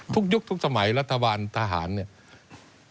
ยุคทุกสมัยรัฐบาลทหารเนี่ย